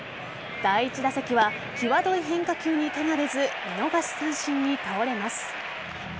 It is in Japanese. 第１打席はきわどい変化球に手が出ず見逃し三振に倒れます。